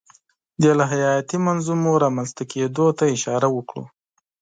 د الهیاتي منظومو رامنځته کېدو ته اشاره وکړو.